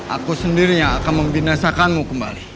aku sendirinya akan membinasakanmu kembali